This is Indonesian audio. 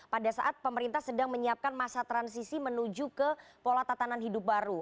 pada saat pemerintah sedang menyiapkan masa transisi menuju ke pola tatanan hidup baru